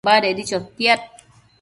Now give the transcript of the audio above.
Badedi chotiad